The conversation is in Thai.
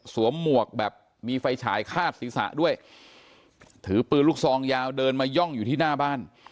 หมวกแบบมีไฟฉายคาดศีรษะด้วยถือปืนลูกซองยาวเดินมาย่องอยู่ที่หน้าบ้าน